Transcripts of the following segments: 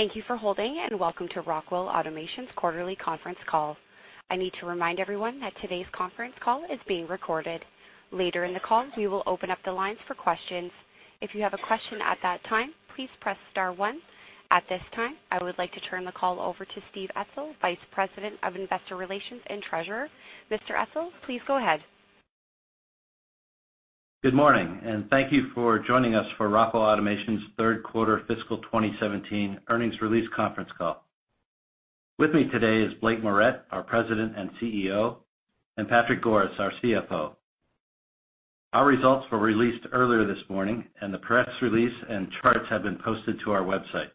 Thank you for holding. Welcome to Rockwell Automation's quarterly conference call. I need to remind everyone that today's conference call is being recorded. Later in the call, we will open up the lines for questions. If you have a question at that time, please press star one. At this time, I would like to turn the call over to Steve Etzel, Vice President of Investor Relations and Treasurer. Mr. Etzel, please go ahead. Good morning. Thank you for joining us for Rockwell Automation's third quarter fiscal 2017 earnings release conference call. With me today is Blake Moret, our President and CEO, and Patrick Goris, our CFO. Our results were released earlier this morning. The press release and charts have been posted to our website.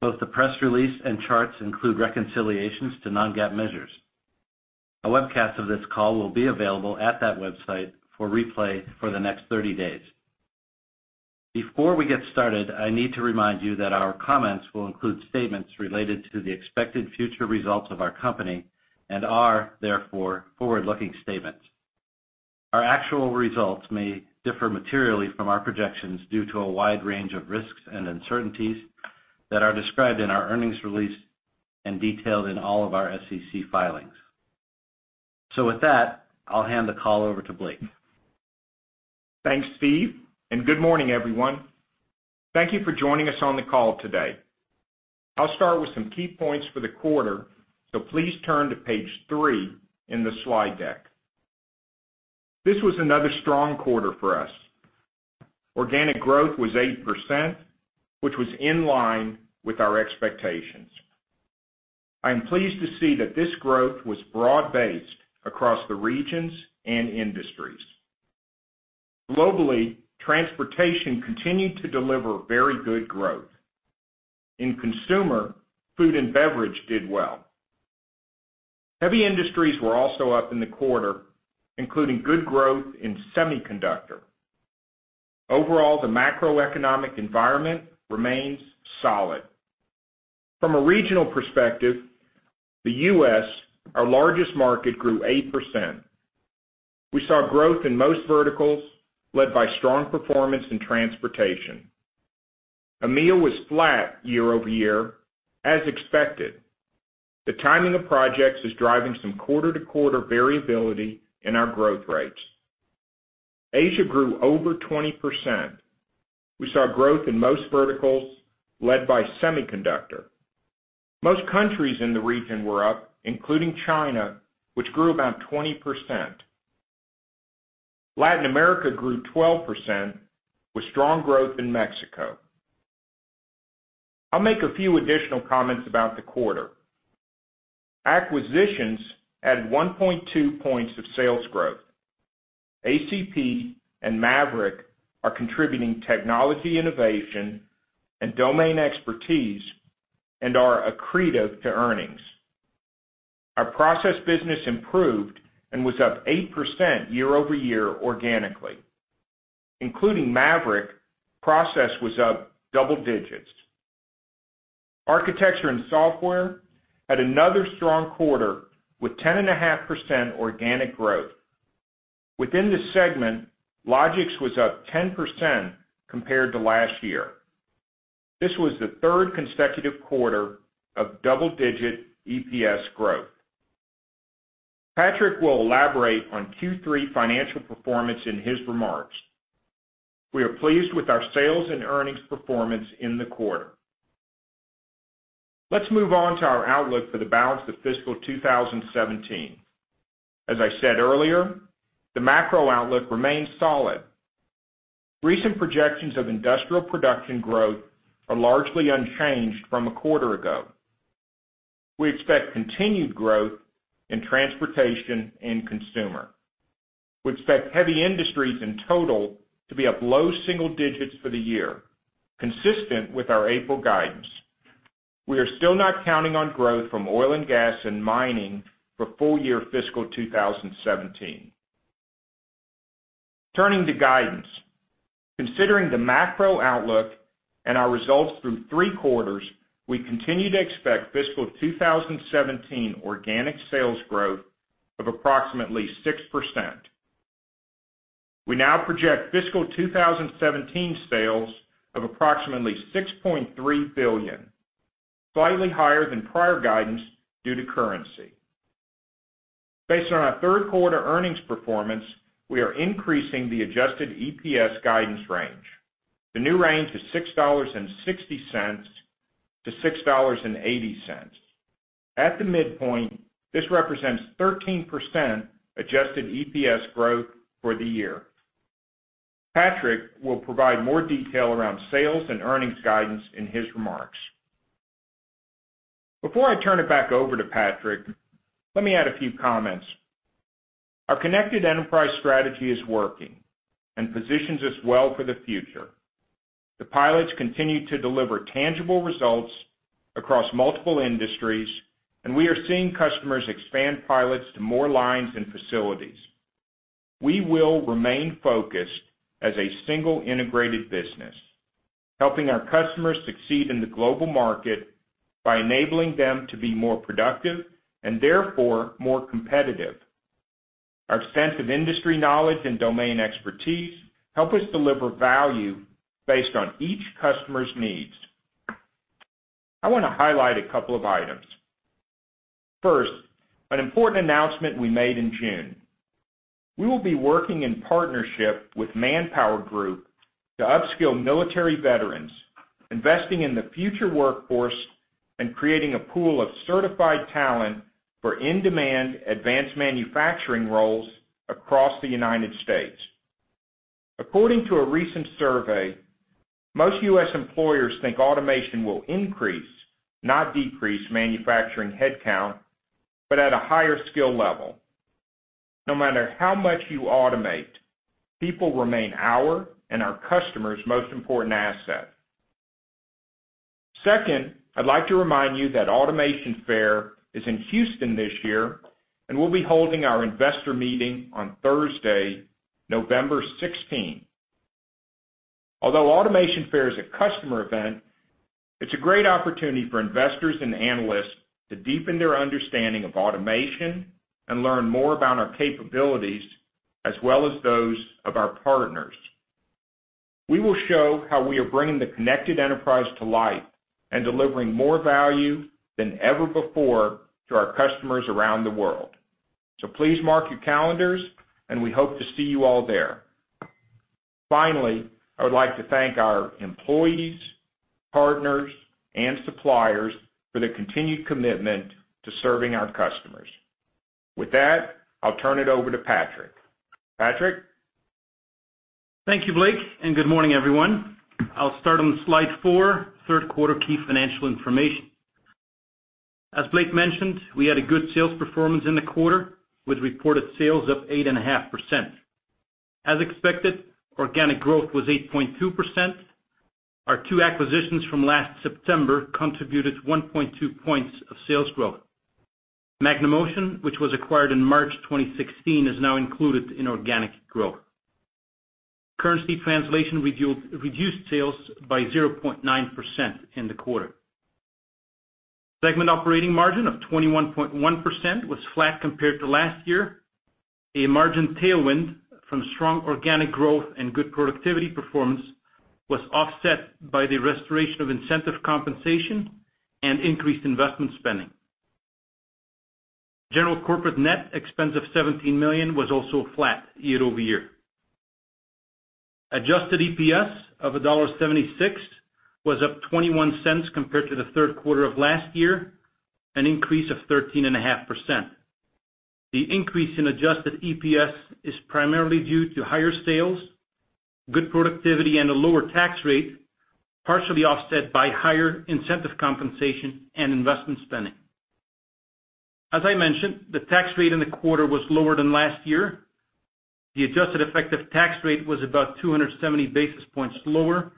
Both the press release and charts include reconciliations to non-GAAP measures. A webcast of this call will be available at that website for replay for the next 30 days. Before we get started, I need to remind you that our comments will include statements related to the expected future results of our company and are, therefore, forward-looking statements. Our actual results may differ materially from our projections due to a wide range of risks and uncertainties that are described in our earnings release and detailed in all of our SEC filings. With that, I'll hand the call over to Blake. Thanks, Steve. Good morning, everyone. Thank you for joining us on the call today. I'll start with some key points for the quarter. Please turn to page three in the slide deck. This was another strong quarter for us. Organic growth was 8%, which was in line with our expectations. I am pleased to see that this growth was broad-based across the regions and industries. Globally, transportation continued to deliver very good growth. In consumer, food and beverage did well. Heavy industries were also up in the quarter, including good growth in semiconductor. Overall, the macroeconomic environment remains solid. From a regional perspective, the U.S., our largest market, grew 8%. We saw growth in most verticals, led by strong performance in transportation. EMEA was flat year-over-year as expected. The timing of projects is driving some quarter-to-quarter variability in our growth rates. Asia grew over 20%. We saw growth in most verticals, led by semiconductor. Most countries in the region were up, including China, which grew about 20%. Latin America grew 12%, with strong growth in Mexico. I'll make a few additional comments about the quarter. Acquisitions added 1.2 points of sales growth. ACP and Maverick are contributing technology innovation and domain expertise and are accretive to earnings. Our process business improved and was up 8% year-over-year organically. Including Maverick, process was up double digits. Architecture & Software had another strong quarter, with 10.5% organic growth. Within the segment, Logix was up 10% compared to last year. This was the third consecutive quarter of double-digit EPS growth. Patrick will elaborate on Q3 financial performance in his remarks. We are pleased with our sales and earnings performance in the quarter. Let's move on to our outlook for the balance of fiscal 2017. As I said earlier, the macro outlook remains solid. Recent projections of industrial production growth are largely unchanged from a quarter ago. We expect continued growth in transportation and consumer. We expect heavy industries in total to be up low single digits for the year, consistent with our April guidance. We are still not counting on growth from oil and gas and mining for full year fiscal 2017. Turning to guidance. Considering the macro outlook and our results through three quarters, we continue to expect fiscal 2017 organic sales growth of approximately 6%. We now project fiscal 2017 sales of approximately $6.3 billion, slightly higher than prior guidance due to currency. Based on our third quarter earnings performance, we are increasing the adjusted EPS guidance range. The new range is $6.60-$6.80. At the midpoint, this represents 13% adjusted EPS growth for the year. Patrick will provide more detail around sales and earnings guidance in his remarks. Before I turn it back over to Patrick, let me add a few comments. Our Connected Enterprise strategy is working and positions us well for the future. The pilots continue to deliver tangible results across multiple industries, and we are seeing customers expand pilots to more lines and facilities. We will remain focused as a single integrated business, helping our customers succeed in the global market by enabling them to be more productive and therefore more competitive. Our sense of industry knowledge and domain expertise help us deliver value based on each customer's needs. I want to highlight a couple of items. First, an important announcement we made in June. We will be working in partnership with ManpowerGroup to upskill military veterans, investing in the future workforce, and creating a pool of certified talent for in-demand advanced manufacturing roles across the U.S. According to a recent survey, most U.S. employers think automation will increase, not decrease, manufacturing headcount, but at a higher skill level. No matter how much you automate, people remain our and our customers' most important asset. Second, I'd like to remind you that Automation Fair is in Houston this year, and we'll be holding our investor meeting on Thursday, November 16. Although Automation Fair is a customer event, it's a great opportunity for investors and analysts to deepen their understanding of automation and learn more about our capabilities, as well as those of our partners. We will show how we are bringing The Connected Enterprise to life and delivering more value than ever before to our customers around the world. Please mark your calendars, and we hope to see you all there. Finally, I would like to thank our employees, partners, and suppliers for their continued commitment to serving our customers. With that, I'll turn it over to Patrick. Patrick? Thank you, Blake, and good morning, everyone. I'll start on slide four, third quarter key financial information. As Blake mentioned, we had a good sales performance in the quarter, with reported sales up 8.5%. As expected, organic growth was 8.2%. Our two acquisitions from last September contributed 1.2 points of sales growth. MagneMotion, which was acquired in March 2016, is now included in organic growth. Currency translation reduced sales by 0.9% in the quarter. Segment operating margin of 21.1% was flat compared to last year. A margin tailwind from strong organic growth and good productivity performance was offset by the restoration of incentive compensation and increased investment spending. General corporate net expense of $17 million was also flat year-over-year. Adjusted EPS of $1.76 was up $0.21 compared to the third quarter of last year, an increase of 13.5%. The increase in Adjusted EPS is primarily due to higher sales, good productivity, and a lower tax rate, partially offset by higher incentive compensation and investment spending. As I mentioned, the tax rate in the quarter was lower than last year. The adjusted effective tax rate was about 270 basis points lower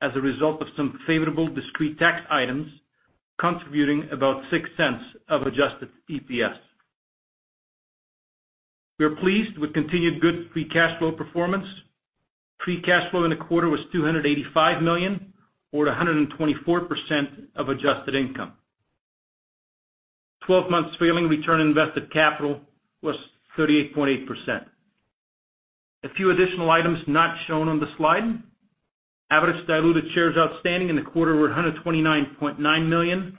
as a result of some favorable discrete tax items, contributing about $0.06 of Adjusted EPS. We are pleased with continued good free cash flow performance. Free cash flow in the quarter was $285 million or 124% of adjusted income. 12 months trailing return on invested capital was 38.8%. A few additional items not shown on the slide. Average diluted shares outstanding in the quarter were 129.9 million,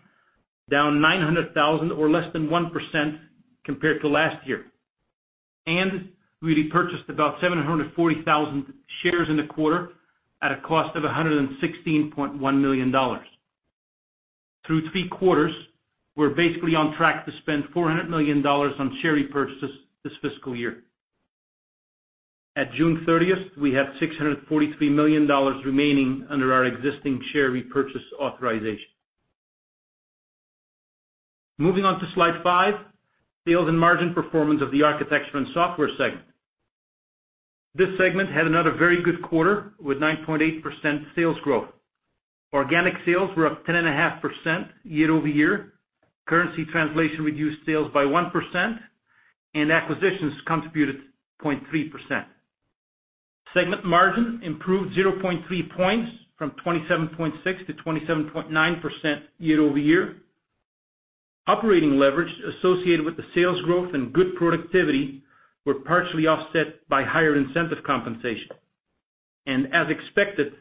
down 900,000 or less than 1% compared to last year. We repurchased about 740,000 shares in the quarter at a cost of $116.1 million. Through three quarters, we're basically on track to spend $400 million on share repurchases this fiscal year. At June 30th, we had $643 million remaining under our existing share repurchase authorization. Moving on to slide five, sales and margin performance of the Architecture & Software segment. This segment had another very good quarter, with 9.8% sales growth. Organic sales were up 10.5% year-over-year. Currency translation reduced sales by 1%, and acquisitions contributed 0.3%. Segment margin improved 0.3 points from 27.6%-27.9% year-over-year. Operating leverage associated with the sales growth and good productivity were partially offset by higher incentive compensation. As expected,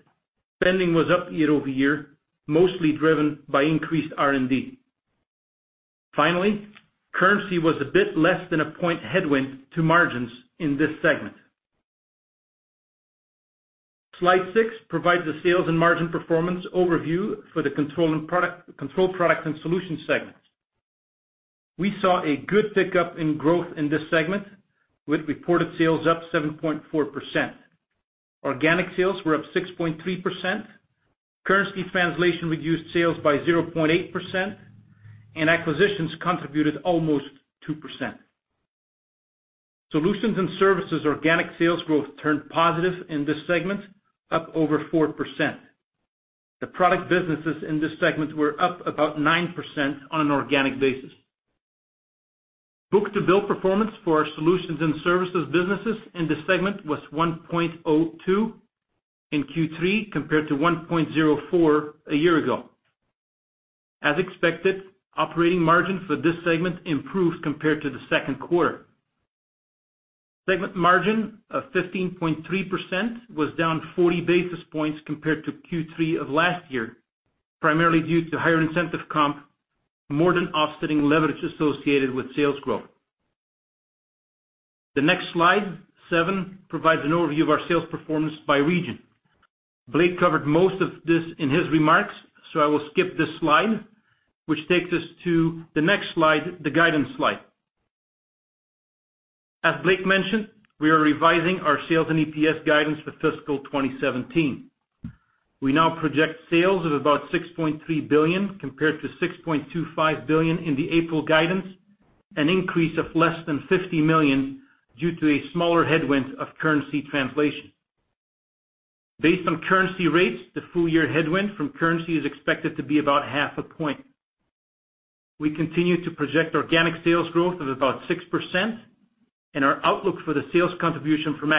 spending was up year-over-year, mostly driven by increased R&D. Finally, currency was a bit less than a point headwind to margins in this segment. Slide six provides the sales and margin performance overview for the Control Products & Solutions segment. We saw a good pickup in growth in this segment, with reported sales up 7.4%. Organic sales were up 6.3%. Currency translation reduced sales by 0.8%, and acquisitions contributed almost 2%. Solutions and Services organic sales growth turned positive in this segment, up over 4%. The product businesses in this segment were up about 9% on an organic basis. Book-to-bill performance for our Solutions and Services businesses in this segment was 1.02 in Q3 compared to 1.04 a year ago. As expected, operating margin for this segment improved compared to the second quarter. Segment margin of 15.3% was down 40 basis points compared to Q3 of last year, primarily due to higher incentive comp, more than offsetting leverage associated with sales growth. The next slide, seven, provides an overview of our sales performance by region. Blake covered most of this in his remarks, I will skip this slide, which takes us to the next slide, the guidance slide. As Blake mentioned, we are revising our sales and EPS guidance for fiscal 2017. We now project sales of about $6.3 billion compared to $6.25 billion in the April guidance, an increase of less than $50 million due to a smaller headwind of currency translation. Based on currency rates, the full-year headwind from currency is expected to be about half a point. We continue to project organic sales growth of about 6%, and our outlook for the sales contribution from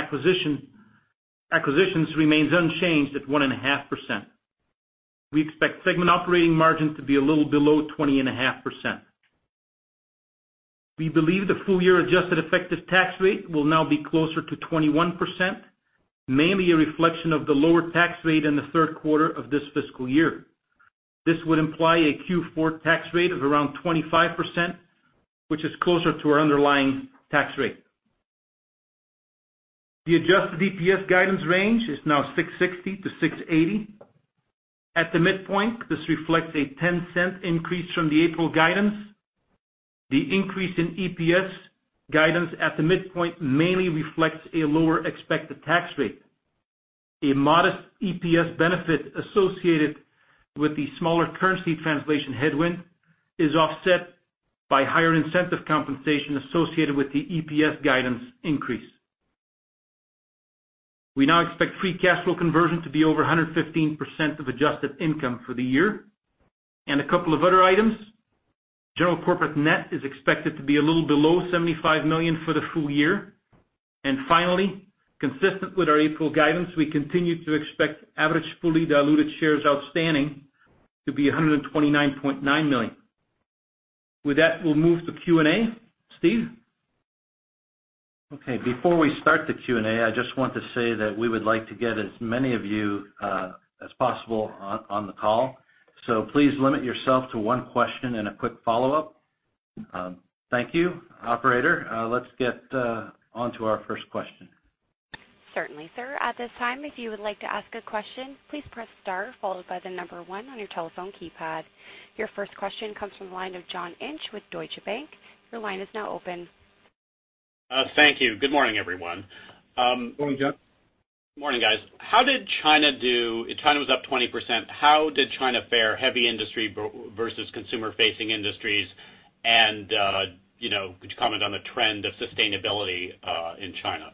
acquisitions remains unchanged at 1.5%. We expect segment operating margin to be a little below 20.5%. We believe the full-year adjusted effective tax rate will now be closer to 21%, mainly a reflection of the lower tax rate in the third quarter of this fiscal year. This would imply a Q4 tax rate of around 25%, which is closer to our underlying tax rate. The adjusted EPS guidance range is now $6.60-$6.80. At the midpoint, this reflects a $0.10 increase from the April guidance. The increase in EPS guidance at the midpoint mainly reflects a lower expected tax rate. A modest EPS benefit associated with the smaller currency translation headwind is offset by higher incentive compensation associated with the EPS guidance increase. We now expect free cash flow conversion to be over 115% of adjusted income for the year. A couple of other items. General corporate net is expected to be a little below $75 million for the full year. Finally, consistent with our April guidance, we continue to expect average fully diluted shares outstanding to be 129.9 million. With that, we'll move to Q&A. Steve? Okay, before we start the Q&A, I just want to say that we would like to get as many of you as possible on the call. Please limit yourself to one question and a quick follow-up. Thank you. Operator, let's get on to our first question. Certainly, sir. At this time, if you would like to ask a question, please press star followed by the number 1 on your telephone keypad. Your first question comes from the line of John Inch with Deutsche Bank. Your line is now open. Thank you. Good morning, everyone. Morning, John. Morning, guys. How did China do? China was up 20%. How did China fare heavy industry versus consumer-facing industries? Could you comment on the trend of sustainability in China?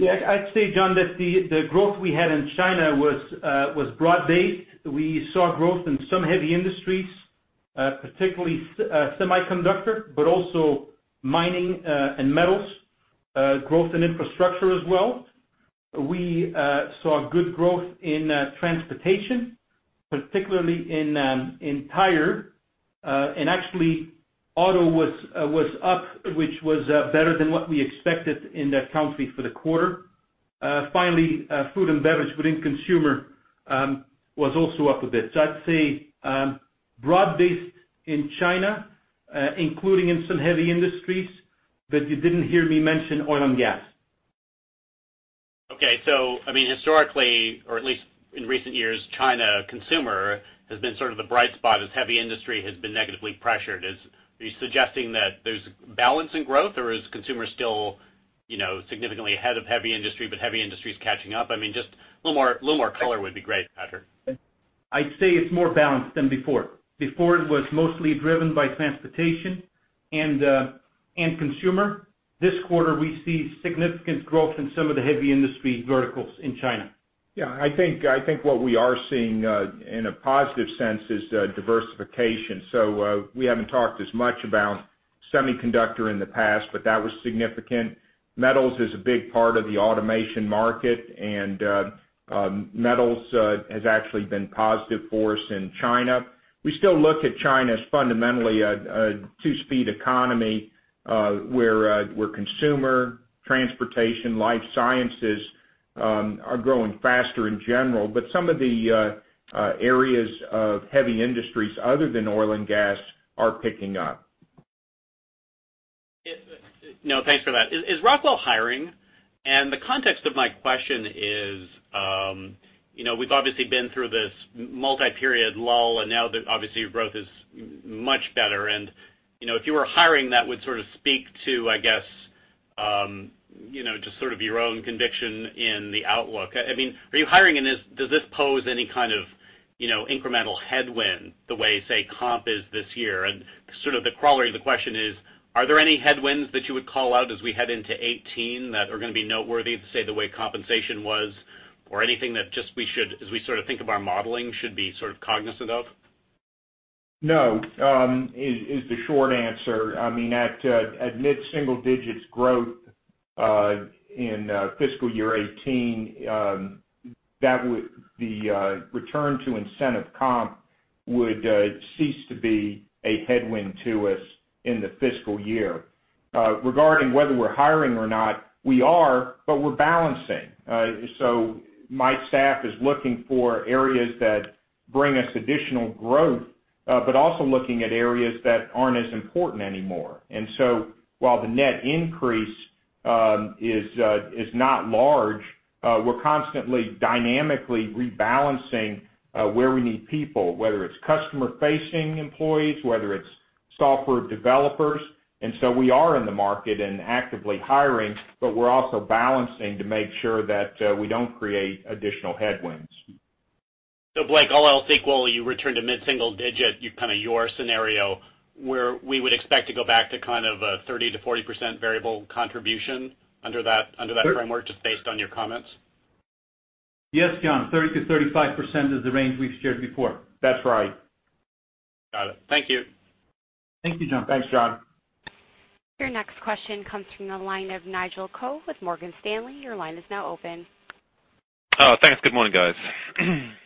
I'd say, John, that the growth we had in China was broad-based. We saw growth in some heavy industries, particularly semiconductor, but also mining and metals. Growth in infrastructure as well. We saw good growth in transportation, particularly in tire. Actually, auto was up, which was better than what we expected in that country for the quarter. Finally, food and beverage within consumer was also up a bit. I'd say broad-based in China, including in some heavy industries, but you didn't hear me mention oil and gas. Okay. Historically, or at least in recent years, China consumer has been sort of the bright spot as heavy industry has been negatively pressured. Are you suggesting that there's balance in growth, or is consumer still significantly ahead of heavy industry, but heavy industry is catching up? Just a little more color would be great, Patrick. I'd say it's more balanced than before. Before, it was mostly driven by transportation and consumer. This quarter, we see significant growth in some of the heavy industry verticals in China. I think what we are seeing in a positive sense is diversification. We haven't talked as much about semiconductor in the past, but that was significant. Metals is a big part of the automation market, and metals has actually been positive for us in China. We still look at China as fundamentally a two-speed economy, where consumer, transportation, life sciences are growing faster in general, but some of the areas of heavy industries other than oil and gas are picking up. No, thanks for that. Is Rockwell hiring? The context of my question is we've obviously been through this multi-period lull, and now obviously growth is much better. If you were hiring, that would sort of speak to, I guess, just sort of your own conviction in the outlook. Are you hiring and does this pose any kind of incremental headwind the way, say, comp is this year? Sort of the corollary of the question is, are there any headwinds that you would call out as we head into 2018 that are going to be noteworthy, say, the way compensation was, or anything that just as we sort of think of our modeling should be sort of cognizant of? No, is the short answer. I mean, at mid-single digits growth in fiscal year 2018, the return to incentive comp would cease to be a headwind to us in the fiscal year. Regarding whether we're hiring or not, we are, but we're balancing. My staff is looking for areas that bring us additional growth, but also looking at areas that aren't as important anymore. While the net increase is not large, we're constantly dynamically rebalancing where we need people, whether it's customer-facing employees, whether it's software developers. We are in the market and actively hiring, but we're also balancing to make sure that we don't create additional headwinds. Blake, all else equal, you return to mid-single-digit, your scenario, where we would expect to go back to kind of a 30%-40% variable contribution under that framework just based on your comments? Yes, John, 30%-35% is the range we've shared before. That's right. Got it. Thank you. Thank you, John. Thanks, John. Your next question comes from the line of Nigel Coe with Morgan Stanley. Your line is now open. Thanks. Good morning, guys.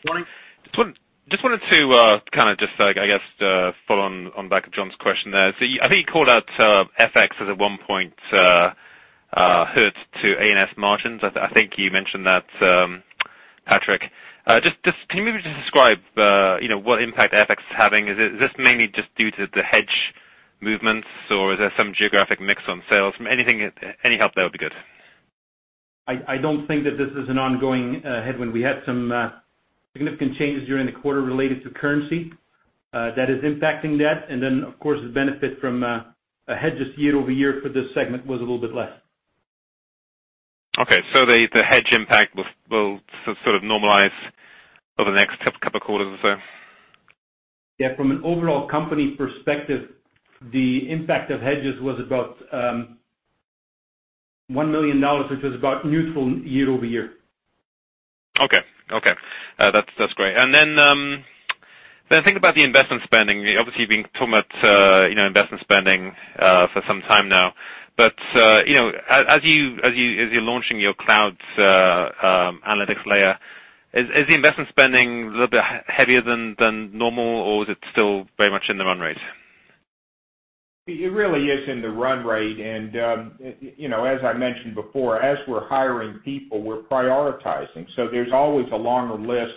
Morning. Just wanted to kind of just, I guess, follow on the back of John's question there. I think you called out FX as a 1-point hurt to A&S margins. I think you mentioned that, Patrick. Can you maybe just describe what impact FX is having? Is this mainly just due to the hedge movements, or is there some geographic mix on sales? Any help there would be good. I don't think that this is an ongoing headwind. We had some significant changes during the quarter related to currency that is impacting that. Of course, the benefit from hedges year-over-year for this segment was a little bit less. The hedge impact will sort of normalize over the next couple of quarters or so. From an overall company perspective, the impact of hedges was about $1 million, which was about neutral year-over-year. Okay. That's great. Think about the investment spending. Obviously, you've been talking about investment spending for some time now. As you're launching your cloud analytics layer, is the investment spending a little bit heavier than normal, or is it still very much in the run rate? It really is in the run rate, as I mentioned before, as we're hiring people, we're prioritizing. There's always a longer list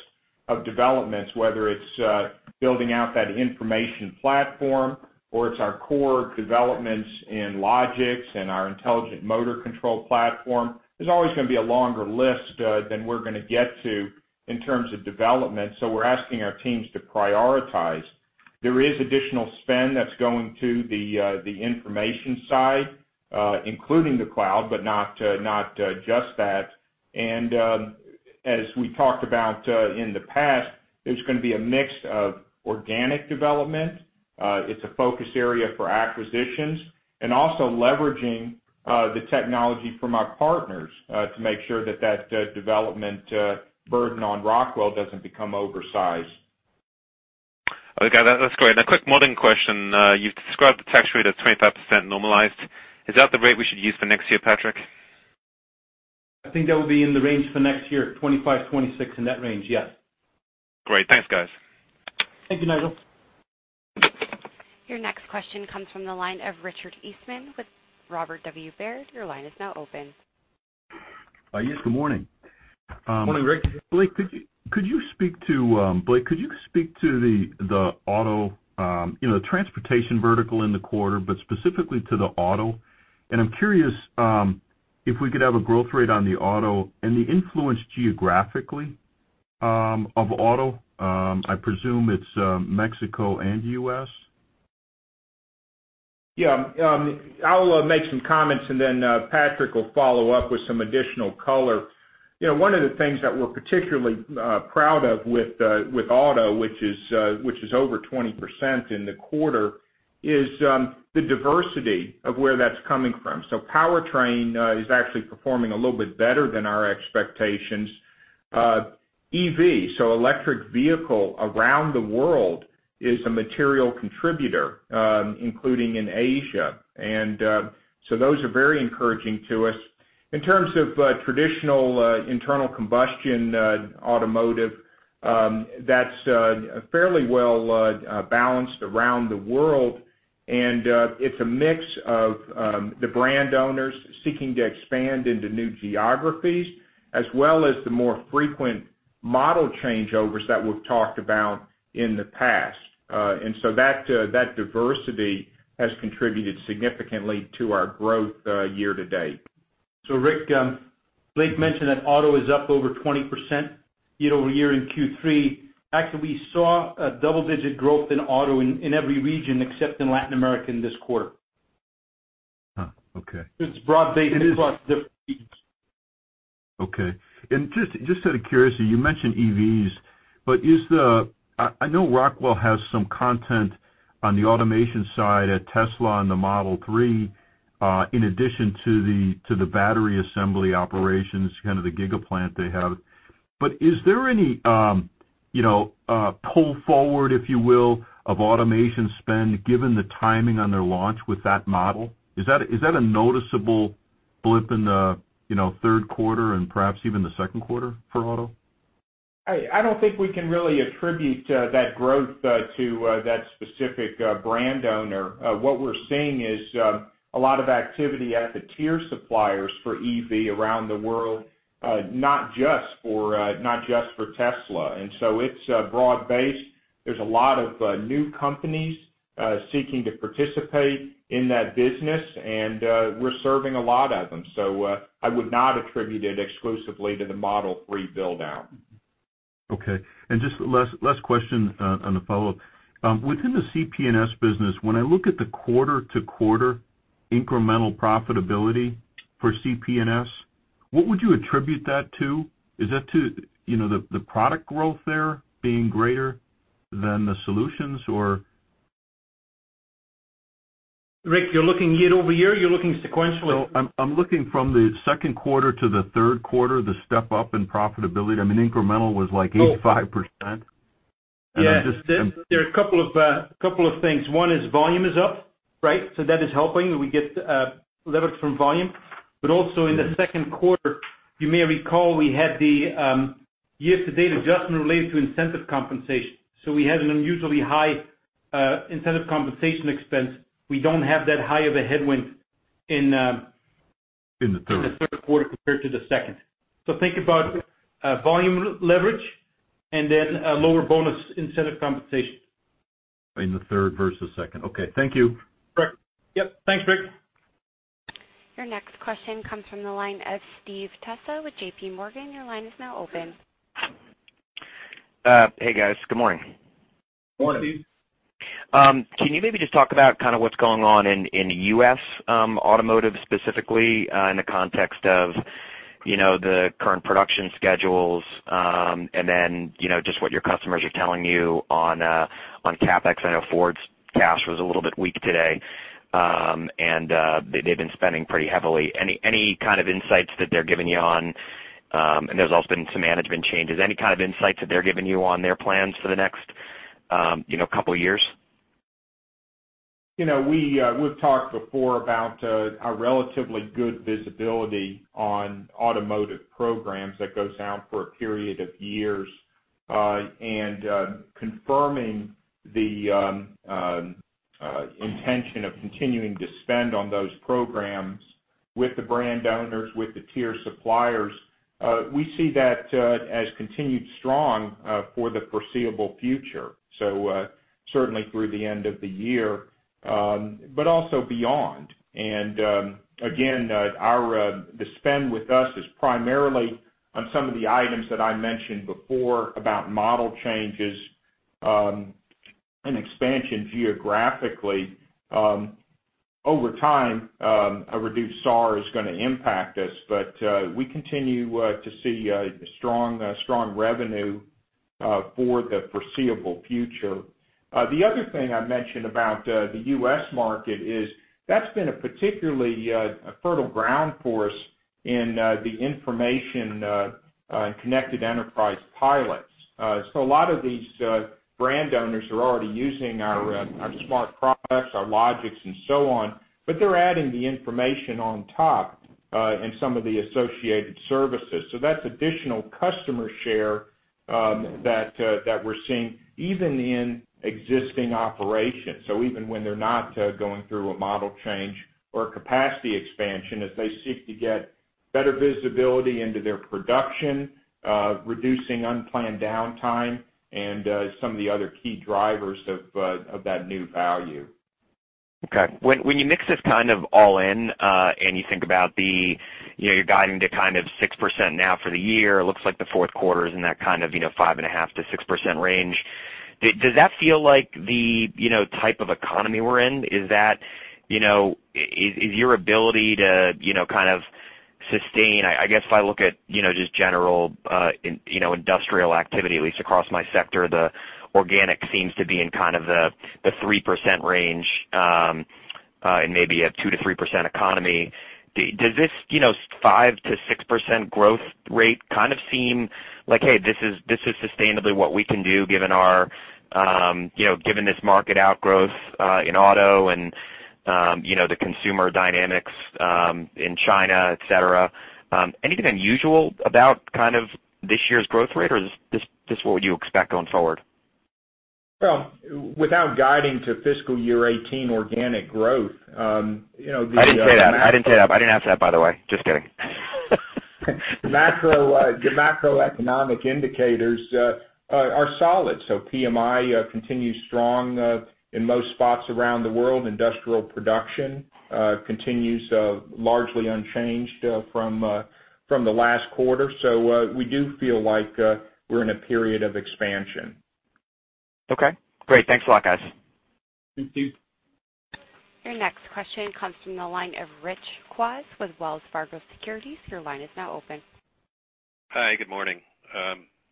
of developments, whether it's building out that information platform or it's our core developments in Logix and our intelligent motor control platform. There's always going to be a longer list than we're going to get to in terms of development, so we're asking our teams to prioritize. There is additional spend that's going to the information side, including the cloud, but not just that. As we talked about in the past, there's going to be a mix of organic development, it's a focus area for acquisitions, and also leveraging the technology from our partners to make sure that that development burden on Rockwell doesn't become oversized. Okay. That's great. A quick modeling question. You've described the tax rate as 25% normalized. Is that the rate we should use for next year, Patrick? I think that will be in the range for next year, 25%, 26%, in that range, yes. Great. Thanks, guys. Thank you, Nigel. Your next question comes from the line of Richard Eastman with Robert W. Baird. Your line is now open. Yes, good morning. Morning, Rich. Blake, could you speak to the auto, the transportation vertical in the quarter, but specifically to the auto? I'm curious if we could have a growth rate on the auto and the influence geographically of auto. I presume it's Mexico and U.S. I'll make some comments and then Patrick will follow up with some additional color. One of the things that we're particularly proud of with auto, which is over 20% in the quarter, is the diversity of where that's coming from. Powertrain is actually performing a little bit better than our expectations. EV, so electric vehicle around the world is a material contributor, including in Asia. Those are very encouraging to us. In terms of traditional internal combustion automotive, that's fairly well balanced around the world and it's a mix of the brand owners seeking to expand into new geographies, as well as the more frequent model changeovers that we've talked about in the past. That diversity has contributed significantly to our growth year-to-date. Rich, Blake mentioned that auto is up over 20% year-over-year in Q3. Actually, we saw a double-digit growth in auto in every region except in Latin America in this quarter. Okay. It's broad-based across different regions. Okay. Just out of curiosity, you mentioned EVs, I know Rockwell has some content on the automation side at Tesla on the Model 3, in addition to the battery assembly operations, kind of the Gigafactory they have. But is there any pull forward, if you will, of automation spend given the timing on their launch with that model? Is that a noticeable blip in the third quarter and perhaps even the second quarter for auto? I don't think we can really attribute that growth to that specific brand owner. What we're seeing is a lot of activity at the tier suppliers for EV around the world, not just for Tesla. It's broad-based. There's a lot of new companies seeking to participate in that business, and we're serving a lot of them. I would not attribute it exclusively to the Model 3 build-out. Okay. Just last question on the follow-up. Within the CP&S business, when I look at the quarter-to-quarter incremental profitability for CP&S, what would you attribute that to? Is that to the product growth there being greater than the solutions. Rich, you're looking year-over-year? You're looking sequentially? No, I'm looking from the second quarter to the third quarter, the step-up in profitability. I mean, incremental was like 85%. Yeah. There are a couple of things. One is volume is up, right? That is helping. We get leverage from volume. Also in the second quarter, you may recall we had the year-to-date adjustment related to incentive compensation. We had an unusually high incentive compensation expense. We don't have that high of a headwind. In the third in the third quarter compared to the second. Think about volume leverage and then a lower bonus incentive compensation. In the third versus second. Okay. Thank you. Correct. Yep. Thanks, Rich. Your next question comes from the line of Steve Tusa with JPMorgan. Your line is now open. Hey, guys. Good morning. Morning. Steve. Can you maybe just talk about kind of what's going on in U.S. automotive, specifically in the context of the current production schedules, and then just what your customers are telling you on CapEx? I know Ford's cash was a little bit weak today, and they've been spending pretty heavily. And there's also been some management changes. Any kind of insights that they're giving you on their plans for the next couple of years? We've talked before about a relatively good visibility on automotive programs that goes out for a period of years. Confirming the intention of continuing to spend on those programs with the brand owners, with the tier suppliers, we see that as continued strong for the foreseeable future. Certainly through the end of the year, but also beyond. Again, the spend with us is primarily on some of the items that I mentioned before about model changes and expansion geographically. Over time, a reduced SAR is going to impact us, but we continue to see strong revenue for the foreseeable future. The other thing I mentioned about the U.S. market is that's been a particularly fertile ground for us in the information and Connected Enterprise pilots. A lot of these brand owners are already using our smart products, our Logix and so on, but they're adding the information on top and some of the associated services. That's additional customer share that we're seeing even in existing operations. Even when they're not going through a model change or a capacity expansion, as they seek to get better visibility into their production, reducing unplanned downtime and some of the other key drivers of that new value. Okay. When you mix this kind of all in, and you think about your guiding to kind of 6% now for the year, looks like the fourth quarter is in that kind of 5.5%-6% range, does that feel like the type of economy we're in? Is your ability to kind of sustain, I guess if I look at just general industrial activity, at least across my sector, the organic seems to be in kind of the 3% range, and maybe a 2%-3% economy. Does this 5%-6% growth rate kind of seem like, hey, this is sustainably what we can do given this market outgrowth in auto and the consumer dynamics in China, et cetera? Anything unusual about kind of this year's growth rate, or is this what you expect going forward? Well, without guiding to fiscal year 2018 organic growth- I didn't say that. I didn't ask that, by the way. Just kidding. The macroeconomic indicators are solid. PMI continues strong in most spots around the world. Industrial production continues largely unchanged from the last quarter. We do feel like we're in a period of expansion. Okay, great. Thanks a lot, guys. Thank you. Your next question comes from the line of Rich Kwas with Wells Fargo Securities. Your line is now open. Hi, good morning.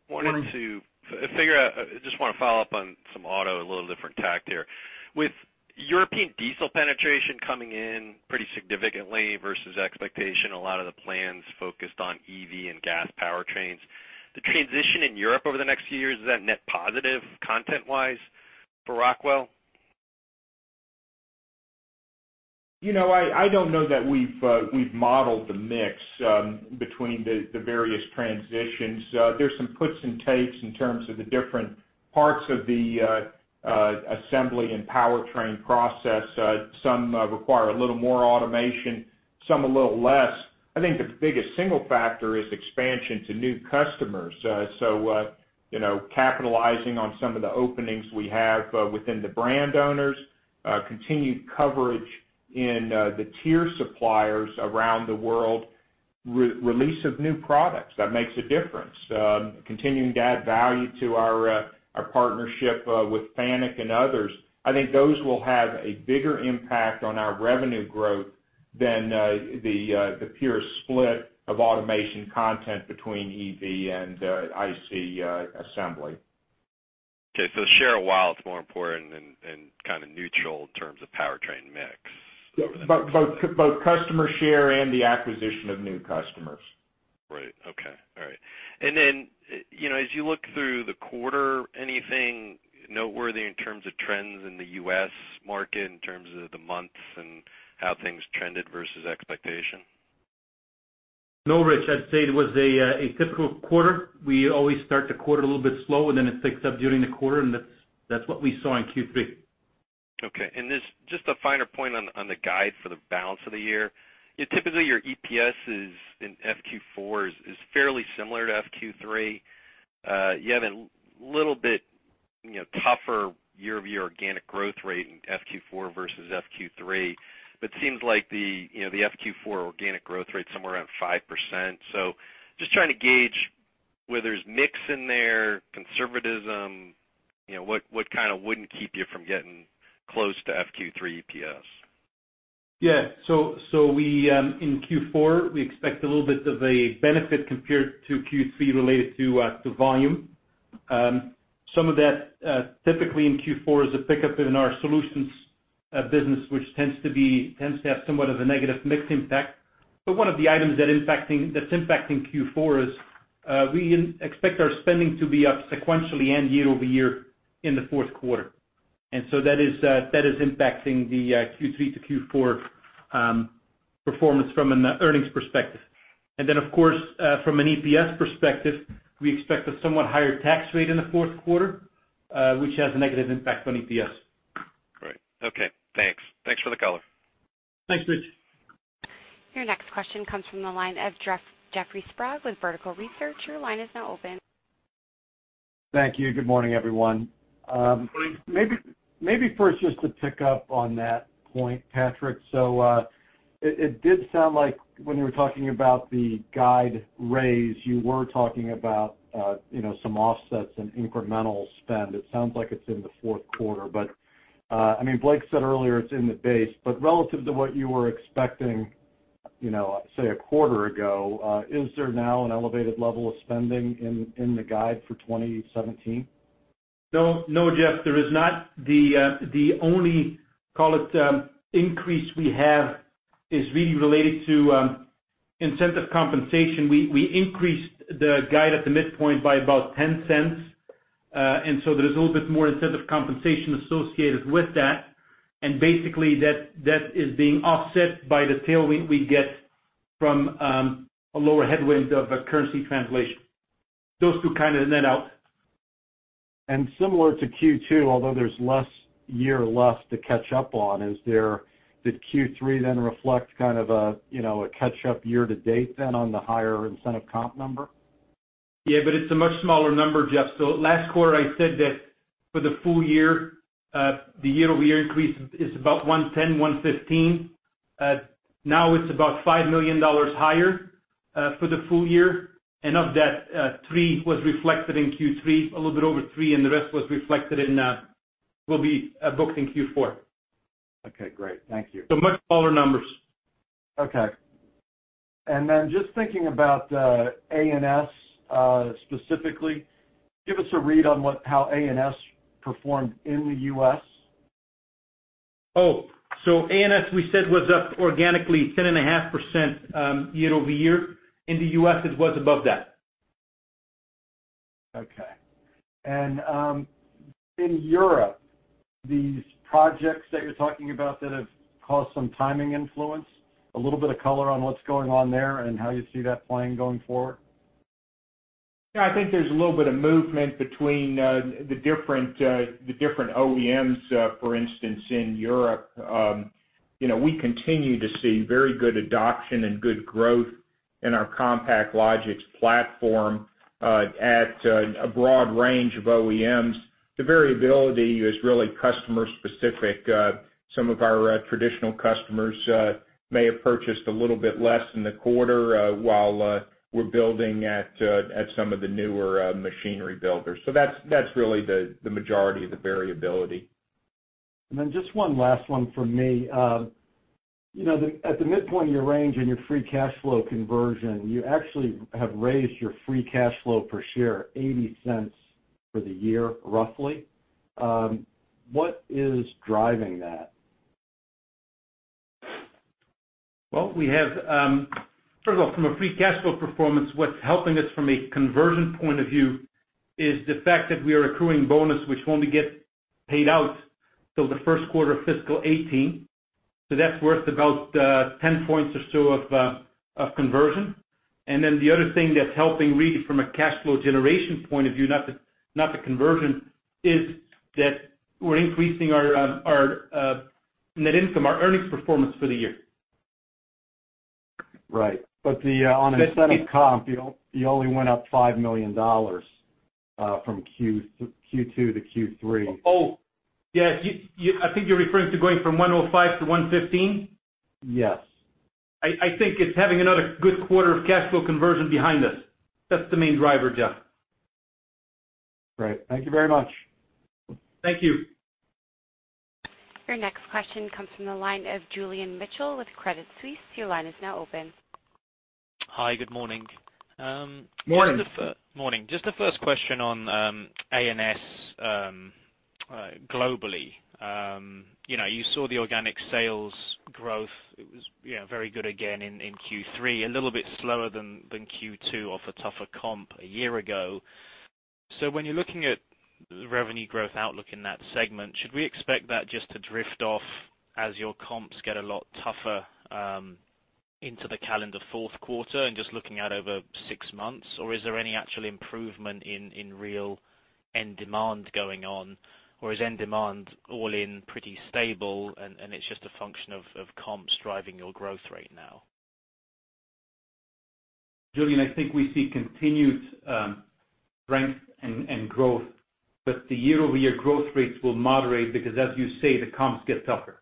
Good morning. I just want to follow up on some auto, a little different tack here. With European diesel penetration coming in pretty significantly versus expectation, a lot of the plans focused on EV and gas powertrains. The transition in Europe over the next few years, is that net positive content-wise for Rockwell? I don't know that we've modeled the mix between the various transitions. There's some puts and takes in terms of the different parts of the assembly and powertrain process. Some require a little more automation, some a little less. I think the biggest single factor is expansion to new customers. Capitalizing on some of the openings we have within the brand owners, continued coverage in the tier suppliers around the world, release of new products, that makes a difference. Continuing to add value to our partnership with FANUC and others. I think those will have a bigger impact on our revenue growth than the pure split of automation content between EV and IC assembly. Okay, share of wallet is more important than kind of neutral in terms of powertrain mix. Both customer share and the acquisition of new customers. Right. Okay. All right. Then, as you look through the quarter, anything noteworthy in terms of trends in the U.S. market in terms of the months and how things trended versus expectation? No, Rich. I'd say it was a typical quarter. We always start the quarter a little bit slow, and then it picks up during the quarter, and that's what we saw in Q3. Okay, just a finer point on the guide for the balance of the year. Typically, your EPS in FQ4 is fairly similar to FQ3. You have a little bit tougher year-over-year organic growth rate in FQ4 versus FQ3, seems like the FQ4 organic growth rate's somewhere around 5%. Just trying to gauge where there's mix in there, conservatism, what kind of wouldn't keep you from getting close to FQ3 EPS? Yeah. In Q4, we expect a little bit of a benefit compared to Q3 related to volume. Some of that, typically in Q4, is a pickup in our solutions business, which tends to have somewhat of a negative mix impact. One of the items that's impacting Q4 is we expect our spending to be up sequentially and year-over-year in the fourth quarter. That is impacting the Q3 to Q4 performance from an earnings perspective. Then, of course, from an EPS perspective, we expect a somewhat higher tax rate in the fourth quarter, which has a negative impact on EPS. Great. Okay, thanks. Thanks for the color. Thanks, Rich. Your next question comes from the line of Jeffrey Sprague with Vertical Research. Your line is now open. Thank you. Good morning, everyone. Good morning. It did sound like when you were talking about the guide raise, you were talking about some offsets and incremental spend. It sounds like it's in the fourth quarter, but I mean, Blake said earlier it's in the base, but relative to what you were expecting, say, a quarter ago, is there now an elevated level of spending in the guide for 2017? No, Jeff, there is not. The only, call it, increase we have is really related to incentive compensation. We increased the guide at the midpoint by about $0.10, and so there's a little bit more incentive compensation associated with that, and basically that is being offset by the tailwind we get from a lower headwind of a currency translation. Those two kind of net out. Similar to Q2, although there's less year left to catch up on, did Q3 then reflect kind of a catch-up year to date then on the higher incentive comp number? It's a much smaller number, Jeff. Last quarter, I said that for the full year, the year-over-year increase is about $110 million-$115 million. Now it's about $5 million higher for the full year. Of that, $3 million was reflected in Q3, a little bit over $3 million, and the rest will be booked in Q4. Okay, great. Thank you. Much smaller numbers. Okay. Just thinking about A&S specifically, give us a read on how A&S performed in the U.S. A&S we said was up organically 10.5% year-over-year. In the U.S., it was above that. Okay. In Europe, these projects that you're talking about that have caused some timing influence, a little bit of color on what's going on there and how you see that playing going forward? I think there's a little bit of movement between the different OEMs, for instance, in Europe. We continue to see very good adoption and good growth in our CompactLogix platform at a broad range of OEMs. The variability is really customer specific. Some of our traditional customers may have purchased a little bit less in the quarter while we're building at some of the newer machinery builders. That's really the majority of the variability. Just one last one from me. At the midpoint of your range in your free cash flow conversion, you actually have raised your free cash flow per share $0.80 for the year, roughly. What is driving that? Well, first of all, from a free cash flow performance, what's helping us from a conversion point of view is the fact that we are accruing bonus, which won't get paid out till the first quarter of fiscal 2018. That's worth about 10 points or so of conversion. The other thing that's helping really from a cash flow generation point of view, not the conversion, is that we're increasing our net income, our earnings performance for the year. Right. On a incentive comp, you only went up $5 million from Q2 to Q3. Oh, yes. I think you're referring to going from 105 to 115? Yes. I think it's having another good quarter of cash flow conversion behind us. That's the main driver, Jeff. Great. Thank you very much. Thank you. Your next question comes from the line of Julian Mitchell with Credit Suisse. Your line is now open. Hi. Good morning. Morning. Morning. Just the first question on A&S globally. You saw the organic sales growth, it was very good again in Q3, a little bit slower than Q2 off a tougher comp a year ago. When you're looking at the revenue growth outlook in that segment, should we expect that just to drift off as your comps get a lot tougher into the calendar fourth quarter and just looking out over six months? Or is there any actual improvement in real end demand going on? Or is end demand all in pretty stable and it's just a function of comps driving your growth rate now? Julian, I think we see continued strength and growth, the year-over-year growth rates will moderate because as you say, the comps get tougher.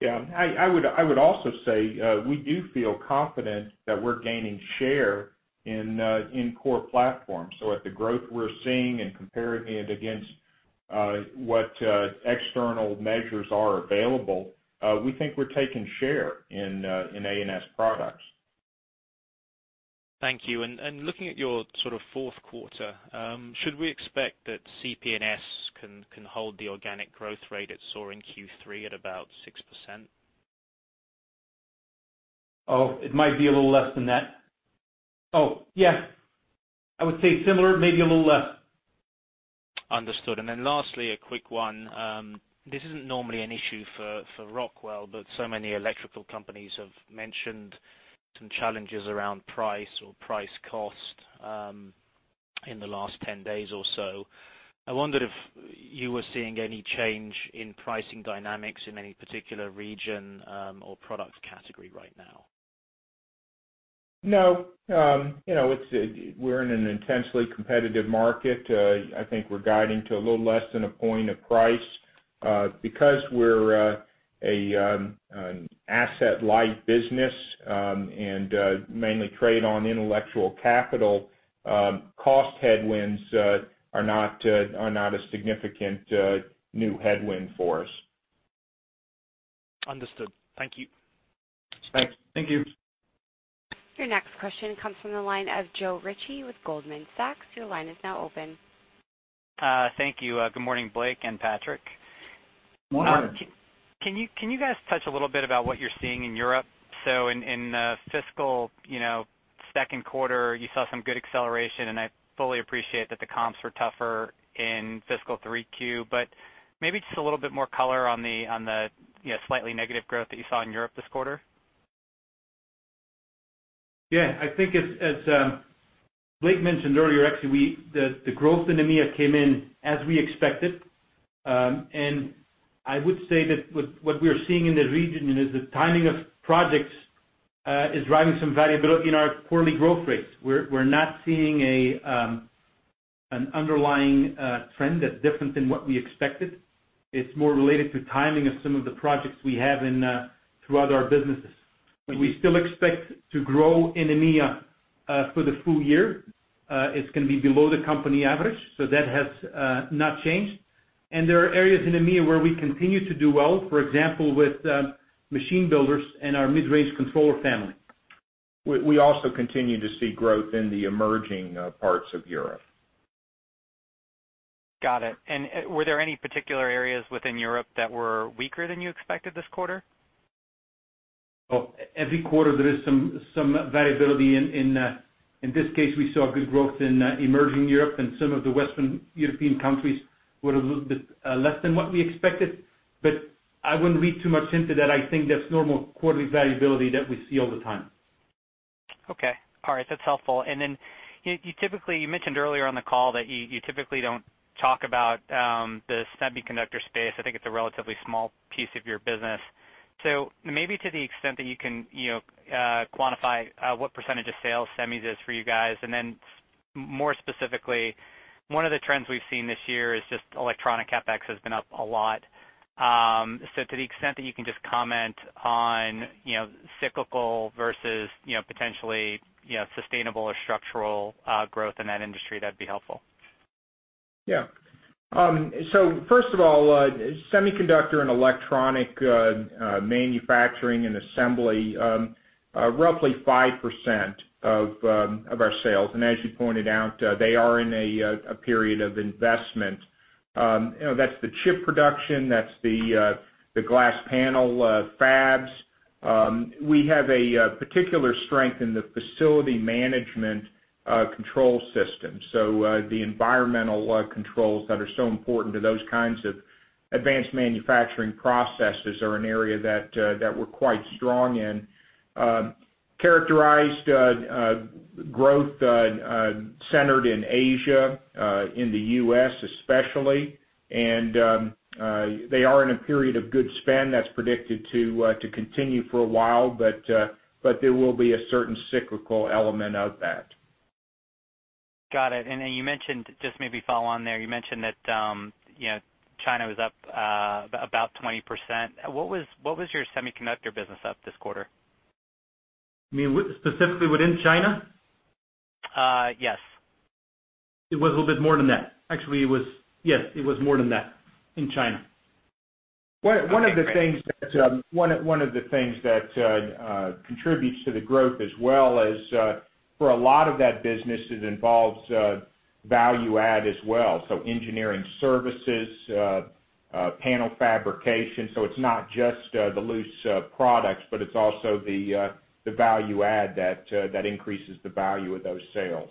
Yeah. I would also say we do feel confident that we're gaining share in core platforms. At the growth we're seeing and comparing it against what external measures are available, we think we're taking share in A&S products. Thank you. Looking at your sort of fourth quarter, should we expect that CP&S can hold the organic growth rate it saw in Q3 at about 6%? It might be a little less than that. Yeah. I would say similar, maybe a little less. Understood. Lastly, a quick one. This isn't normally an issue for Rockwell, but so many electrical companies have mentioned some challenges around price or price cost in the last 10 days or so. I wondered if you were seeing any change in pricing dynamics in any particular region or product category right now. No. We're in an intensely competitive market. I think we're guiding to a little less than a point of price. Because we're an asset-light business and mainly trade on intellectual capital, cost headwinds are not a significant new headwind for us. Understood. Thank you. Thanks. Thank you. Your next question comes from the line of Joe Ritchie with Goldman Sachs. Your line is now open. Thank you. Good morning, Blake and Patrick. Morning. Can you guys touch a little bit about what you're seeing in Europe? In the fiscal second quarter, you saw some good acceleration, and I fully appreciate that the comps were tougher in fiscal 3Q, maybe just a little bit more color on the slightly negative growth that you saw in Europe this quarter. I think as Blake mentioned earlier, actually, the growth in EMEA came in as we expected. I would say that what we are seeing in the region is the timing of projects is driving some variability in our quarterly growth rates. We're not seeing an underlying trend that's different than what we expected. It's more related to timing of some of the projects we have throughout our businesses. We still expect to grow in EMEA for the full year. It's going to be below the company average, so that has not changed. There are areas in EMEA where we continue to do well, for example, with machine builders and our mid-range controller family. We also continue to see growth in the emerging parts of Europe. Got it. Were there any particular areas within Europe that were weaker than you expected this quarter? Every quarter there is some variability. In this case, we saw good growth in emerging Europe and some of the Western European countries were a little bit less than what we expected, but I wouldn't read too much into that. I think that's normal quarterly variability that we see all the time. Okay. All right. That's helpful. You mentioned earlier on the call that you typically don't talk about the semiconductor space. I think it's a relatively small piece of your business. Maybe to the extent that you can quantify what percentage of sales semis is for you guys. Then more specifically, one of the trends we've seen this year is just electronic CapEx has been up a lot. To the extent that you can just comment on cyclical versus potentially sustainable or structural growth in that industry, that'd be helpful. Yeah. First of all, semiconductor and electronic manufacturing and assembly are roughly 5% of our sales. As you pointed out, they are in a period of investment. That's the chip production, that's the glass panel fabs. We have a particular strength in the facility management control system. The environmental controls that are so important to those kinds of advanced manufacturing processes are an area that we're quite strong in. Characterized growth centered in Asia, in the U.S. especially, they are in a period of good spend that's predicted to continue for a while, but there will be a certain cyclical element of that. Got it. You mentioned, just maybe follow on there, you mentioned that China was up about 20%. What was your semiconductor business up this quarter? You mean specifically within China? Yes. It was a little bit more than that. Actually, it was Yes, it was more than that in China. One of the things that contributes to the growth as well is, for a lot of that business, it involves value add as well. Engineering services, panel fabrication. It's not just the loose products, but it's also the value add that increases the value of those sales.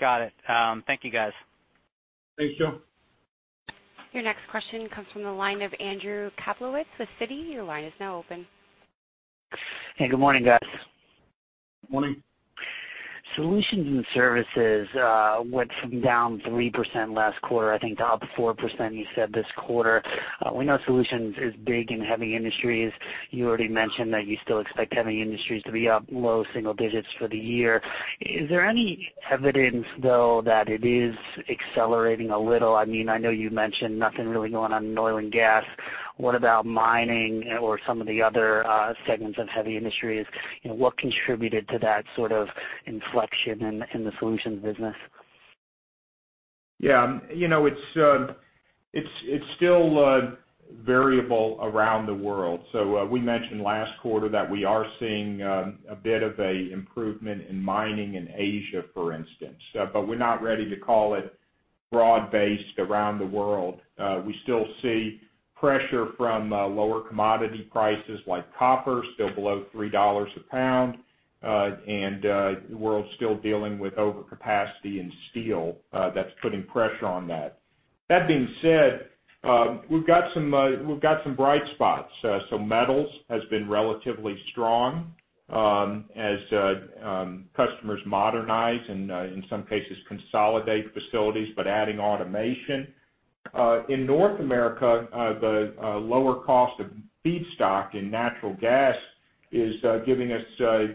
Got it. Thank you, guys. Thanks, Joe. Your next question comes from the line of Andrew Kaplowitz with Citi. Your line is now open. Hey, good morning, guys. Morning. Solutions and services went from down 3% last quarter, I think, to up 4%, you said this quarter. We know solutions is big in heavy industries. You already mentioned that you still expect heavy industries to be up low single digits for the year. Is there any evidence, though, that it is accelerating a little? I know you mentioned nothing really going on in oil and gas. What about mining or some of the other segments of heavy industries? What contributed to that sort of inflection in the solutions business? Yeah. It's still variable around the world. We mentioned last quarter that we are seeing a bit of a improvement in mining in Asia, for instance. We're not ready to call it broad-based around the world. We still see pressure from lower commodity prices, like copper still below $3 a pound, and the world's still dealing with overcapacity in steel. That's putting pressure on that. That being said, we've got some bright spots. Metals has been relatively strong as customers modernize and, in some cases, consolidate facilities, but adding automation. In North America, the lower cost of feedstock and natural gas is giving us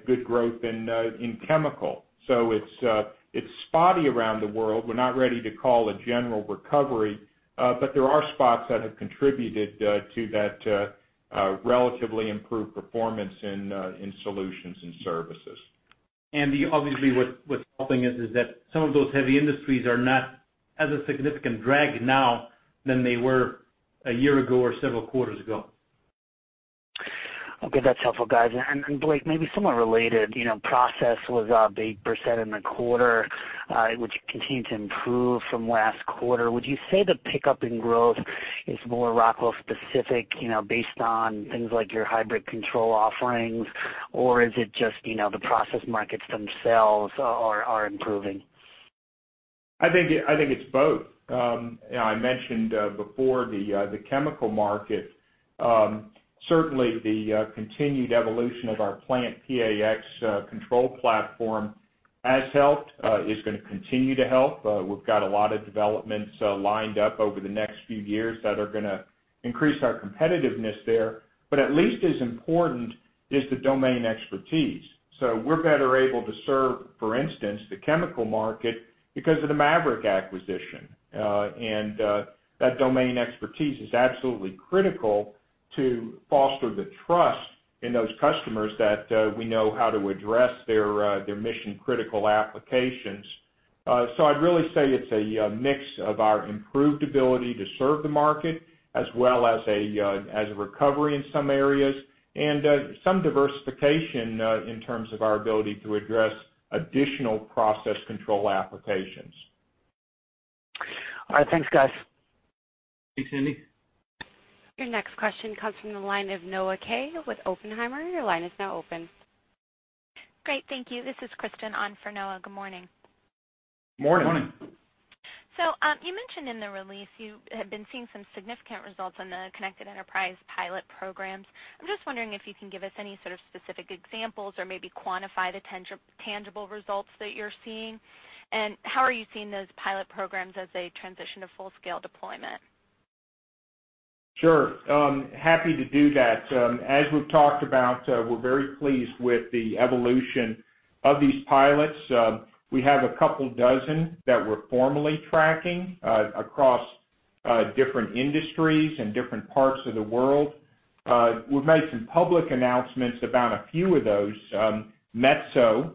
good growth in chemical. It's spotty around the world. We're not ready to call a general recovery, but there are spots that have contributed to that relatively improved performance in solutions and services. Andy, obviously, what's helping is that some of those heavy industries are not as a significant drag now than they were a year ago or several quarters ago. Okay. That's helpful, guys. Blake, maybe somewhat related, process was up 8% in the quarter, which continued to improve from last quarter. Would you say the pickup in growth is more Rockwell specific, based on things like your hybrid control offerings? Or is it just the process markets themselves are improving? I think it's both. I mentioned before the chemical market. Certainly, the continued evolution of our PlantPAx control platform has helped, is going to continue to help. We've got a lot of developments lined up over the next few years that are going to increase our competitiveness there, but at least as important is the domain expertise. We're better able to serve, for instance, the chemical market because of the Maverick acquisition. That domain expertise is absolutely critical to foster the trust in those customers that we know how to address their mission-critical applications. I'd really say it's a mix of our improved ability to serve the market, as well as a recovery in some areas and some diversification in terms of our ability to address additional process control applications. All right. Thanks, guys. Thanks, Andy. Your next question comes from the line of Noah Kaye with Oppenheimer. Your line is now open. Great. Thank you. This is Kristen on for Noah. Good morning. Morning. Morning. You mentioned in the release you have been seeing some significant results on The Connected Enterprise pilot programs. I'm just wondering if you can give us any sort of specific examples or maybe quantify the tangible results that you're seeing, and how are you seeing those pilot programs as they transition to full-scale deployment? Sure. Happy to do that. As we've talked about, we're very pleased with the evolution of these pilots. We have a couple dozen that we're formally tracking across different industries and different parts of the world. We've made some public announcements about a few of those. Metso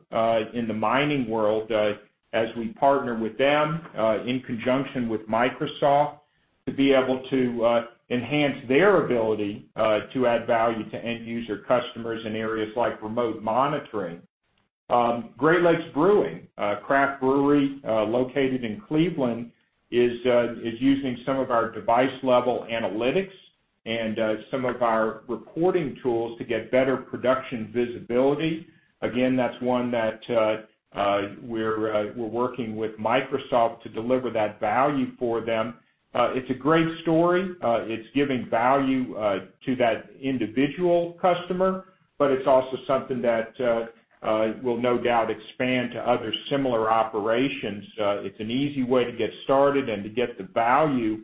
in the mining world, as we partner with them in conjunction with Microsoft to be able to enhance their ability to add value to end user customers in areas like remote monitoring. Great Lakes Brewing, a craft brewery located in Cleveland, is using some of our device-level analytics and some of our reporting tools to get better production visibility. Again, that's one that we're working with Microsoft to deliver that value for them. It's a great story. It's giving value to that individual customer, but it's also something that will no doubt expand to other similar operations. It's an easy way to get started and to get the value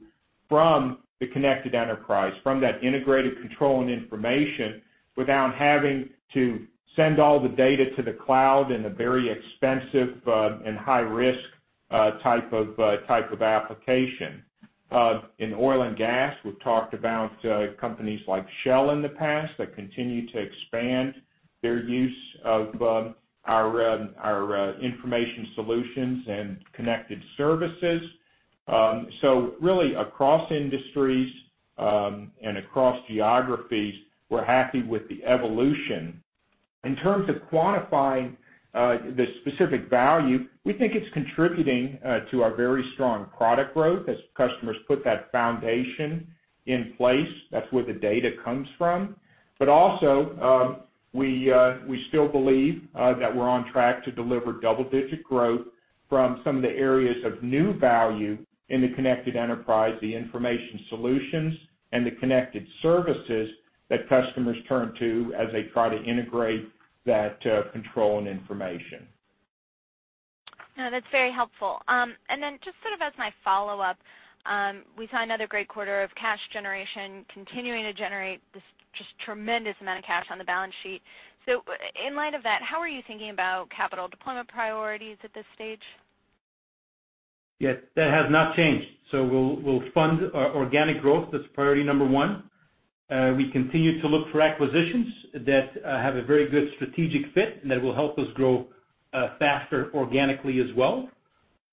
from The Connected Enterprise, from that integrated control and information, without having to send all the data to the cloud in a very expensive and high-risk type of application. In oil and gas, we've talked about companies like Shell in the past that continue to expand their use of our information solutions and connected services. Really across industries and across geographies, we're happy with the evolution. In terms of quantifying the specific value, we think it's contributing to our very strong product growth as customers put that foundation in place. That's where the data comes from. Also, we still believe that we're on track to deliver double-digit growth from some of the areas of new value in The Connected Enterprise, the information solutions, and the connected services that customers turn to as they try to integrate that control and information. No, that's very helpful. Then just sort of as my follow-up, we saw another great quarter of cash generation continuing to generate this just tremendous amount of cash on the balance sheet. In light of that, how are you thinking about capital deployment priorities at this stage? Yes, that has not changed. We'll fund our organic growth. That's priority number one. We continue to look for acquisitions that have a very good strategic fit and that will help us grow faster organically as well.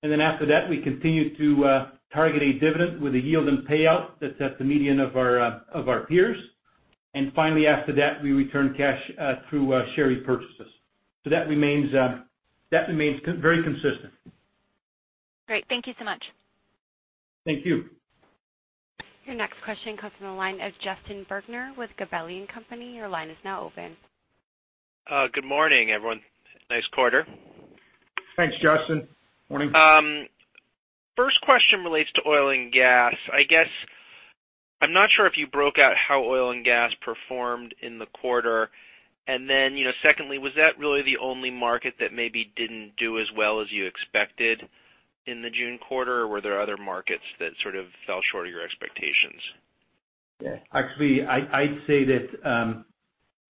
After that, we continue to target a dividend with a yield and payout that's at the median of our peers. Finally, after that, we return cash through share repurchases. That remains very consistent. Great. Thank you so much. Thank you. Your next question comes from the line of Justin Bergner with Gabelli & Company. Your line is now open. Good morning, everyone. Nice quarter. Thanks, Justin. Morning. First question relates to oil and gas. I guess I'm not sure if you broke out how oil and gas performed in the quarter. Secondly, was that really the only market that maybe didn't do as well as you expected in the June quarter? Were there other markets that sort of fell short of your expectations? Yeah. Actually, I'd say that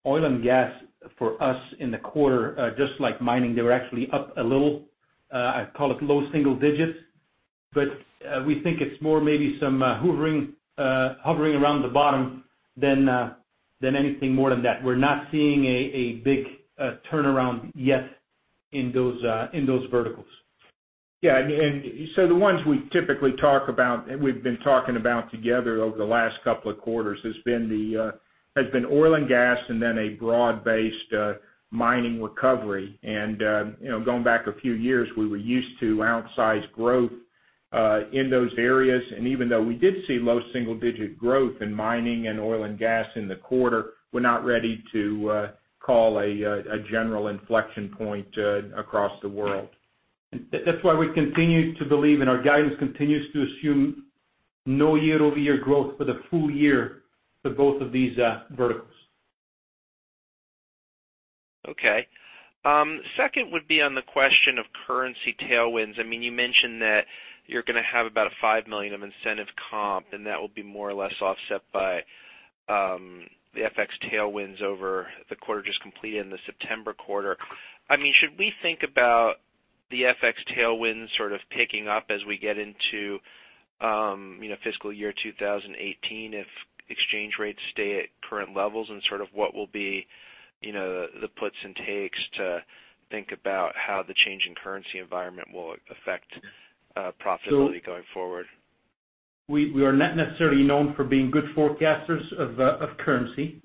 oil and gas for us in the quarter, just like mining, they were actually up a little. I'd call it low single digits, we think it's more maybe some hovering around the bottom than anything more than that. We're not seeing a big turnaround yet in those verticals. Yeah. The ones we typically talk about and we've been talking about together over the last couple of quarters has been oil and gas and then a broad-based mining recovery. Going back a few years, we were used to outsized growth in those areas. Even though we did see low single-digit growth in mining and oil and gas in the quarter, we're not ready to call a general inflection point across the world. That's why we continue to believe and our guidance continues to assume no year-over-year growth for the full year for both of these verticals. Okay. Second would be on the question of currency tailwinds. You mentioned that you're going to have about a $5 million of incentive comp, that will be more or less offset by the FX tailwinds over the quarter just completed in the September quarter. Should we think about the FX tailwinds sort of picking up as we get into fiscal year 2018 if exchange rates stay at current levels? Sort of what will be the puts and takes to think about how the change in currency environment will affect profitability going forward? We are not necessarily known for being good forecasters of currency.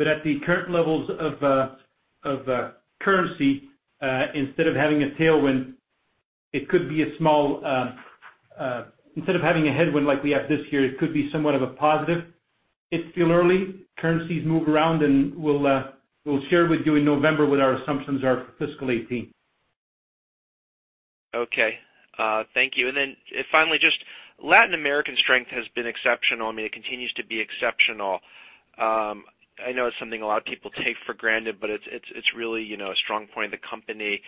At the current levels of currency, instead of having a headwind like we have this year, it could be somewhat of a positive. It's still early. Currencies move around, we'll share with you in November what our assumptions are for fiscal 2018. Finally, Latin American strength has been exceptional. It continues to be exceptional. I know it's something a lot of people take for granted, but it's really a strong point of the company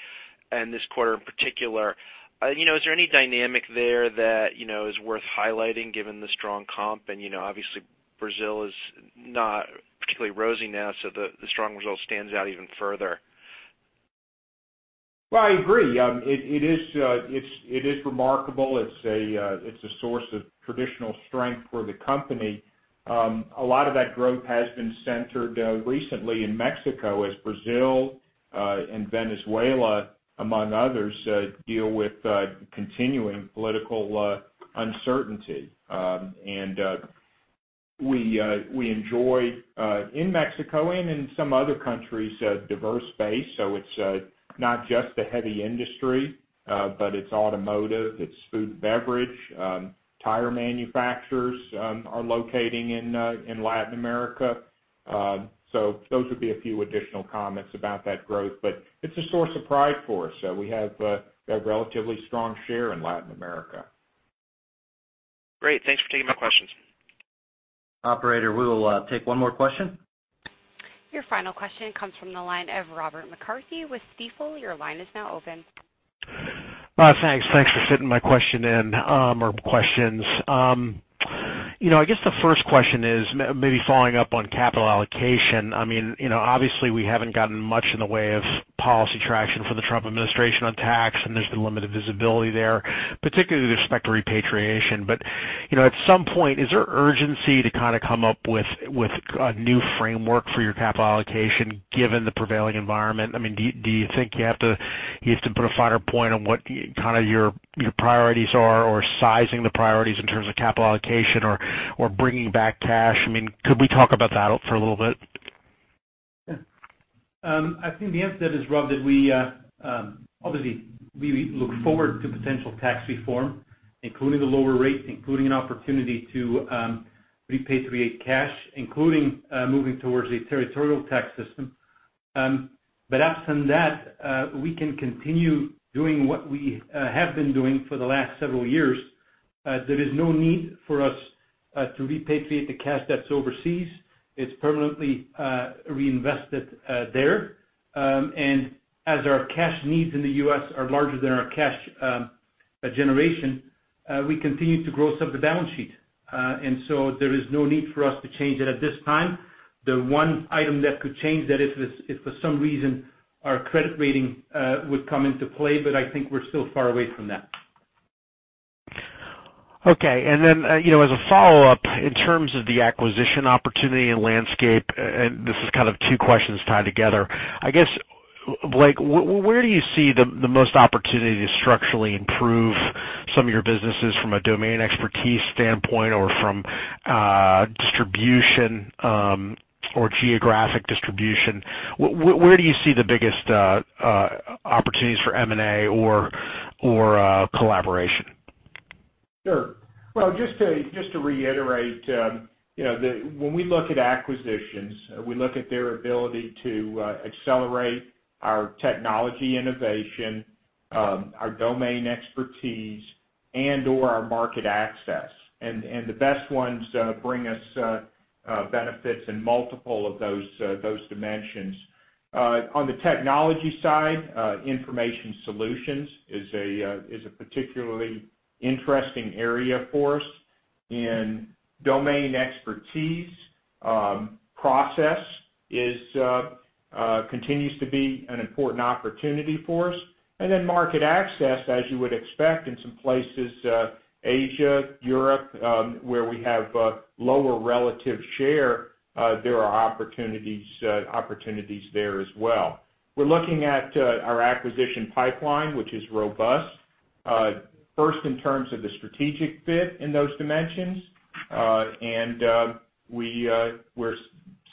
and this quarter in particular. Is there any dynamic there that is worth highlighting given the strong comp? Obviously Brazil is not particularly rosy now, so the strong result stands out even further. I agree. It is remarkable. It's a source of traditional strength for the company. A lot of that growth has been centered recently in Mexico as Brazil and Venezuela, among others, deal with continuing political uncertainty. We enjoy, in Mexico and in some other countries, a diverse base. It's not just the heavy industry, but it's automotive, it's food and beverage. Tire manufacturers are locating in Latin America. Those would be a few additional comments about that growth. It's a source of pride for us. We have a relatively strong share in Latin America. Great. Thanks for taking my questions. Operator, we will take one more question. Your final question comes from the line of Robert McCarthy with Stifel. Your line is now open. Thanks. Thanks for fitting my question in, or questions. I guess the first question is maybe following up on capital allocation. Obviously we haven't gotten much in the way of policy traction from the Trump administration on tax, and there's the limited visibility there, particularly with respect to repatriation. At some point, is there urgency to come up with a new framework for your capital allocation given the prevailing environment? Do you think you have to put a finer point on what your priorities are or sizing the priorities in terms of capital allocation or bringing back cash? Could we talk about that for a little bit? Sure. I think the answer to that is, Rob, that we obviously look forward to potential tax reform, including the lower rate, including an opportunity to repatriate cash, including moving towards a territorial tax system. Absent that, we can continue doing what we have been doing for the last several years. There is no need for us to repatriate the cash that's overseas. It's permanently reinvested there. As our cash needs in the U.S. are larger than our cash generation, we continue to gross up the balance sheet. There is no need for us to change that at this time. The one item that could change that is if for some reason our credit rating would come into play, but I think we're still far away from that. Okay. As a follow-up, in terms of the acquisition opportunity and landscape, this is kind of two questions tied together. I guess, Blake, where do you see the most opportunity to structurally improve some of your businesses from a domain expertise standpoint or from distribution or geographic distribution? Where do you see the biggest opportunities for M&A or collaboration? Sure. Well, just to reiterate, when we look at acquisitions, we look at their ability to accelerate our technology innovation, our domain expertise, and/or our market access. The best ones bring us benefits in multiple of those dimensions. On the technology side, information solutions is a particularly interesting area for us. In domain expertise, process continues to be an important opportunity for us. Then market access, as you would expect in some places Asia, Europe, where we have lower relative share, there are opportunities there as well. We're looking at our acquisition pipeline, which is robust. First in terms of the strategic fit in those dimensions. We're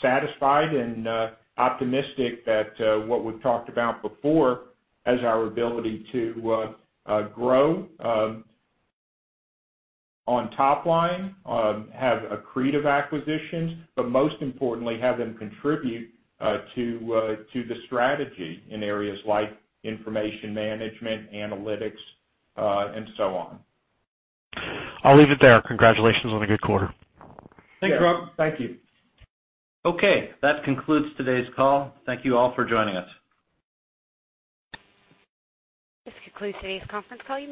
satisfied and optimistic that what we've talked about before as our ability to grow on top line, have accretive acquisitions, but most importantly, have them contribute to the strategy in areas like information management, analytics, and so on. I'll leave it there. Congratulations on a good quarter. Thanks, Rob. Thank you. Okay. That concludes today's call. Thank you all for joining us. This concludes today's conference call.